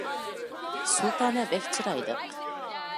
سۇلتانە بەك چىرايلىق